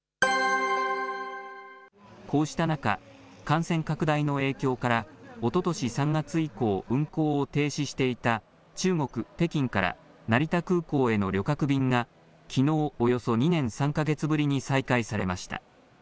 こうした中、感染拡大の影響から、おととし３月以降、運航を停止していた中国・北京から成田空港への旅客便が、きのう、およそ２年３か月ぶりに再開されました。